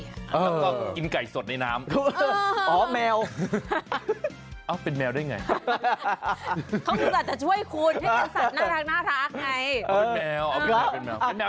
แล้วก็กินไก่สดในน้ำอืมค่ะค่ะอ๋อแมว